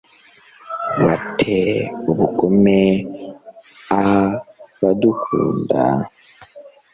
ba te ubugome a badakunda